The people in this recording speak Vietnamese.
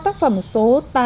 tác phẩm số tám